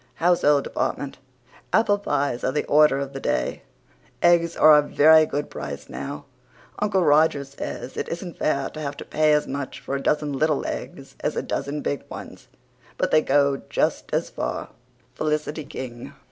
HOUSEHOLD DEPARTMENT Apple pies are the order of the day. Eggs are a very good price now. Uncle Roger says it isn't fair to have to pay as much for a dozen little eggs as a dozen big ones, but they go just as far. FELICITY KING.